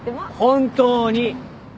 本当に！